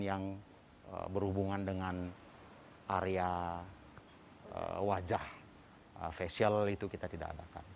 yang berhubungan dengan area wajah facial itu kita tidak adakan